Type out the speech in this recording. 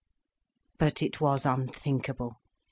But it was unthinkable.